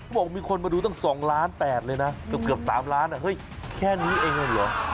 บอกมีคนมาดูตั้ง๒ล้าน๘เลยนะเกือบ๓ล้านเฮ้ยแค่นี้เองเลยเหรอ